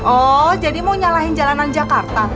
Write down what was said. oh jadi mau nyalahin jalanan jakarta